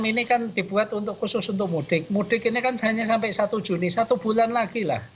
ini kan dibuat untuk khusus untuk mudik mudik ini kan hanya sampai satu juni satu bulan lagi lah